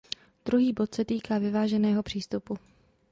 Druhý bod se týká vyváženého přístupu.